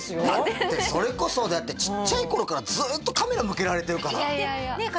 全然だってそれこそちっちゃい頃からずっとカメラ向けられてるからねえ